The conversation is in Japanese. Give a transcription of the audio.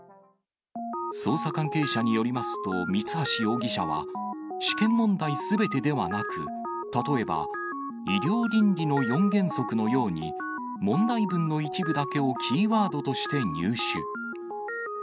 捜査関係者によりますと、三橋容疑者は、試験問題すべてではなく、例えば、医療倫理の四原則のように、問題文の一部だけをキーワードとして入手。